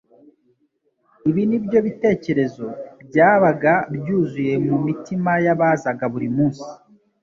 Ibi ni byo bitekerezo byabaga byuzuye mu mitima y’abazaga buri munsi